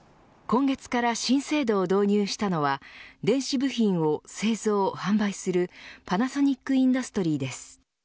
今月から新制度を導入したのは電子部品を製造、販売するパナソニックインダストリーです。